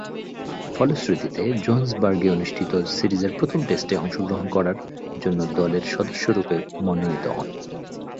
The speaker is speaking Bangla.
ফলশ্রুতিতে, জোহেন্সবার্গে অনুষ্ঠিত সিরিজের প্রথম টেস্টে অংশগ্রহণ করার জন্য দলের সদস্যরূপে মনোনীত হন।